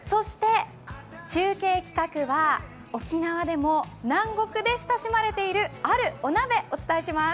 中継企画は沖縄でも南国で親しまれているあるお鍋、お伝えします。